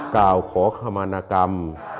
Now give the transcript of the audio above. เราขอคมณกรรม